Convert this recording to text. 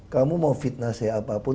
kamu mau fitnah saya apapun